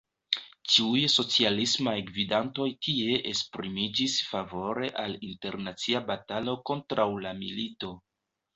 Ĉiuj socialismaj gvidantoj tie esprimiĝis favore al internacia batalo kontraŭ la milito.